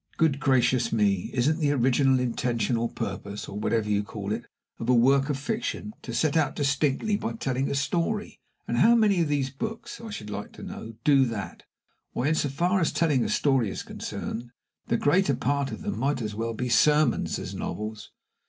Good gracious me! isn't it the original intention or purpose, or whatever you call it, of a work of fiction, to set out distinctly by telling a story? And how many of these books, I should like to know, do that? Why, so far as telling a story is concerned, the greater part of them might as well be sermons as novels.